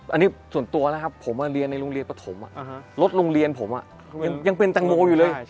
อันนี้ส่วนตัวนะครับผมเรียนในโรงเรียนปฐมรถโรงเรียนผมยังเป็นแตงโมอยู่เลย